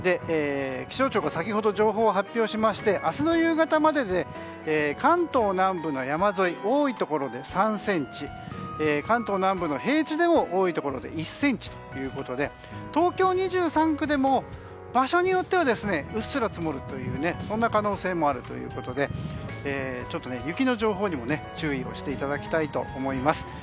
気象庁が先ほど情報を発表しまして明日の夕方までで関東南部の山沿い多いところで３ｃｍ関東南部の平地でも多いところで１ｃｍということで東京２３区でも場所によってはうっすら積もるというそんな可能性もあるということでちょっと雪の情報にも注意をしていただきたいと思います。